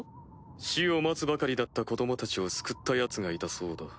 死を待つばかりだった子供たちを救ったヤツがいたそうだ。